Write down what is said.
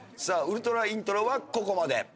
さあウルトライントロはここまで。